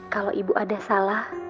kalau ibu ada salah